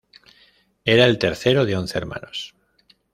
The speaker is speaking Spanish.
Era el tercero de once hermanos.